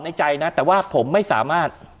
ในใจนะแต่ว่าผมไม่สามารถ